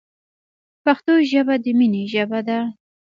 پښتو ژبه د مینې ژبه ده.